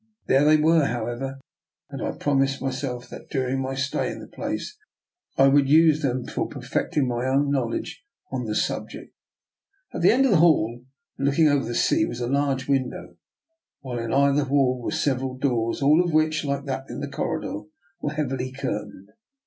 There they were, however, and I promised myself that during my stay in the place I would use them for perfecting my own knowl edge on the subject. At the end of this hall, and looking over the sea, was a large window, while in either wall were several doors, all of which, like that in the corridor, were heavily curtained.